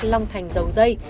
long thành dầu dây